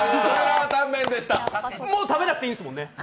もう食べなくていいんですもんね？